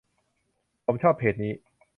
ผมชอบเพจนี้